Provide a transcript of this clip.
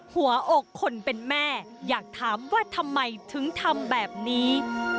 หัวอกคนเป็นแม่อยากถามว่าทำไมถึงทำแบบนี้